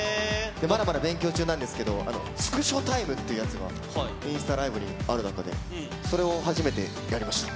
まだまだ勉強中なんですけど、スクショタイムってやつが、インスタライブにある中で、それを初めてやりました。